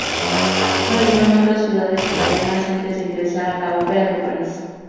Bailó en otras ciudades italianas antes de ingresar a la Ópera de París.